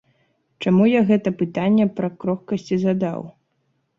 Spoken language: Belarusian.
Чаму я гэта пытанне пра крохкасць і задаў?